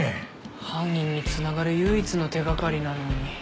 犯人につながる唯一の手掛かりなのに。